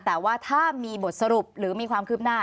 แต่ว่าถ้ามีบทสรุปหรือมีความคืบหน้า